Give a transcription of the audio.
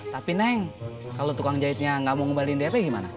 tapi neng kalau tukang jahitnya nggak mau ngebalin dp gimana